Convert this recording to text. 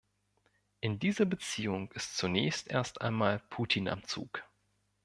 In dieser Beziehung ist zunächst erst einmal Putin am Zug.